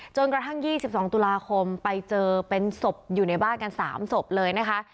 จนกระทั่ง๒๒ตุลาคมไปเจอเป็นศพอยู่ในบ้านกัน๓ศพเลยนะคะ